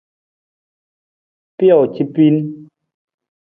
Pijoo ca piin.